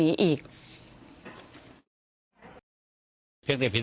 เป็นวันที่๑๕ธนวาคมแต่คุณผู้ชมค่ะกลายเป็นวันที่๑๕ธนวาคม